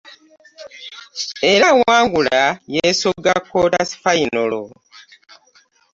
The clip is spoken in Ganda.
Era awangula yeesogga kkoota fayinolo.